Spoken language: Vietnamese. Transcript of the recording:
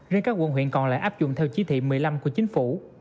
riêng các quận huyện còn lại áp dụng theo chỉ thị một mươi năm của chính phủ